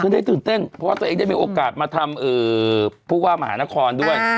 ได้ตื่นเต้นเพราะว่าตัวเองได้มีโอกาสมาทำผู้ว่ามหานครด้วย